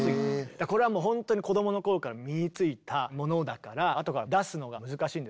だからこれはもうほんとに子どものころから身についたものだからあとから出すのが難しいんですけど。